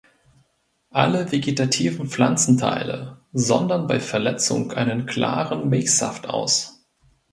Alle vegetativen Pflanzenteile sondern bei Verletzung einen klaren "Milchsaft" aus.